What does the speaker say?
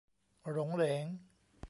โหรงเหรง